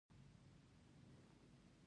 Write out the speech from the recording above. د مالوماتو نظم د عقل برخه شوه.